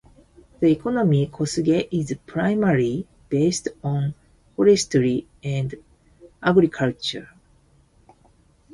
The economy of Kosuge is primarily based on forestry and agriculture.